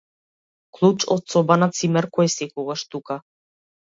Клуч од соба на цимер кој е секогаш тука.